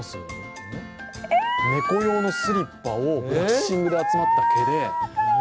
猫用のスリッパをブラッシングで集まった毛で。